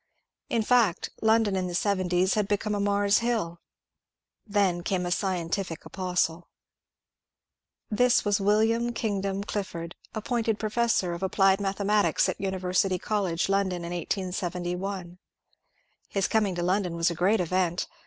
In fact, London in the seventies had become a Mars HilL Then came a scien tific apostle. This was William Kingdon Clifford, appointed professor of applied mathematics at University CoUege, London, in 1871. His coming to London was a great event.